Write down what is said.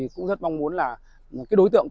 cũng rất mong muốn đối tượng